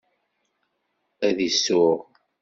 Ad isuɣ.